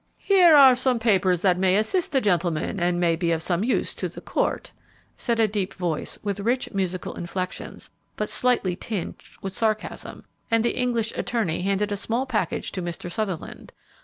"Here are some papers which may assist the gentleman, and may be of some use to the court," said a deep voice with rich, musical inflections, but slightly tinged with sarcasm, and the English attorney handed a small package to Mr. Sutherland.